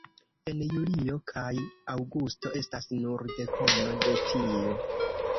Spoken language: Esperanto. En julio kaj aŭgusto estas nur dekono de tio.